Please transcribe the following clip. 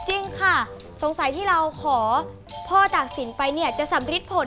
รุ่นดนตร์บุรีนามีดังใบปุ่ม